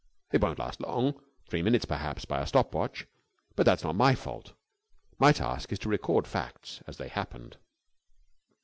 It won't last long three minutes, perhaps, by a stop watch but that is not my fault. My task is to record facts as they happened.